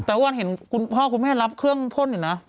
แต่ว่าเห็นคุณพ่อคุณแม่รับเครื่องพ่นอยู่นะ